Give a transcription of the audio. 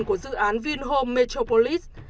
của dự án vinhome metropolis